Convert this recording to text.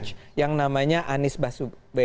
tuhan yang men follow anies ba'e